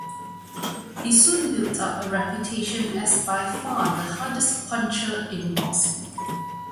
He soon built up a reputation as by far the hardest puncher in boxing.